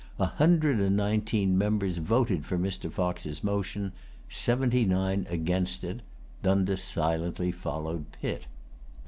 A hundred and nineteen members voted for Mr. Fox's motion; seventy nine against it. Dundas silently followed Pitt.